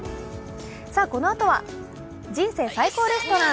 このあとは「人生最高レストラン」。